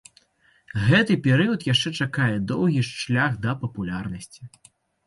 Гэты перыяд яшчэ чакае доўгі шлях да папулярнасці.